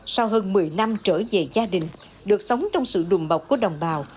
sau hơn một mươi năm trở về gia đình được sống trong sự đùm bọc của đồng bào